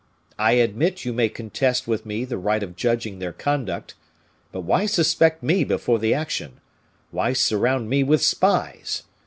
I admit you may contest with me the right of judging their conduct. But why suspect me before the action? Why surround me with spies?